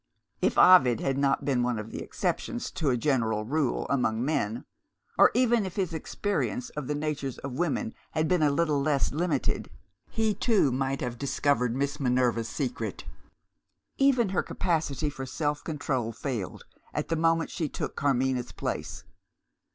If Ovid had not been one of the exceptions to a general rule among men, or even if his experience of the natures of women had been a little less limited, he too might have discovered Miss Minerva's secret. Even her capacity for self control failed, at the moment when she took Carmina's place.